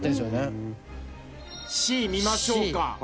Ｃ見ましょうか。